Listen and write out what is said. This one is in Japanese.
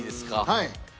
はい。